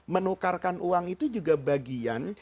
menukarkan uang itu juga bagian